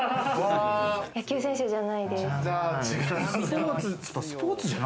野球選手じゃないです。